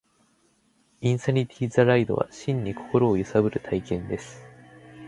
インサニティ・ザ・ライドは、真に心を揺さぶる体験です